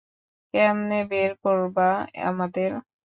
কেমনে বের করবা আমাদের!